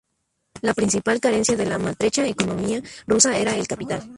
La principal carencia de la maltrecha economía rusa era el capital.